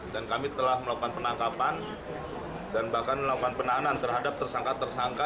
kami telah melakukan penangkapan dan bahkan melakukan penahanan terhadap tersangka tersangka